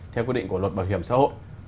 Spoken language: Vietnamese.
theo quy định của luật bảo hiểm xã hội